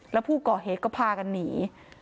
แล้วผู้ก่อเหตุก็พากันหนี